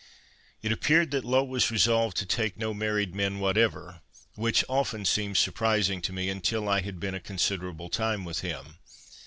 It appeared that Low was resolved to take no married men whatever, which often seemed surprising to me until I had been a considerable time with him.